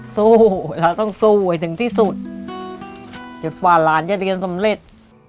สู้เราต้องสู้ให้ถึงที่สุดจนกว่าหลานจะเรียนสำเร็จ